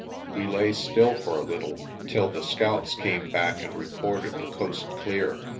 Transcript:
We lay still for a little till the scouts came back and re ported the coast clear.